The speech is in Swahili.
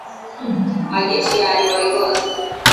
majeshi ya ivory coast